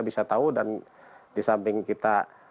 bisa tahu dan disamping kita